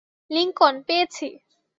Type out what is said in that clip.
Lincoln, পেয়েছি।